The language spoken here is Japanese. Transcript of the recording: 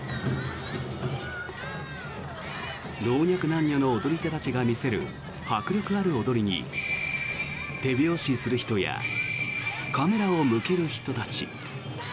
老若男女の踊り手たちが見せる迫力ある踊りに手拍子する人やカメラを向ける人たち。